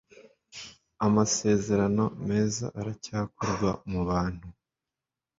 Amasezerano meza aracyakorwa mubantu